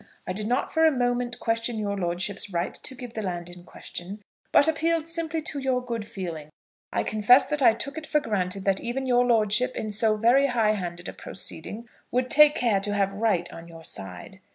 I did not for a moment question your lordship's right to give the land in question, but appealed simply to your good feeling. I confess that I took it for granted that even your lordship, in so very high handed a proceeding, would take care to have right on your side.